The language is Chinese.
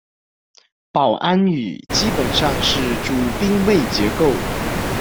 保安语基本上是主宾谓结构。